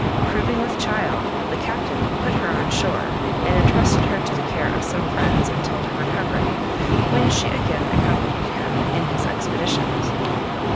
Proving with child, the captain put her on shore, and entrusted her to the care of some friends until her recovery, when she again accompanied him in his expeditions.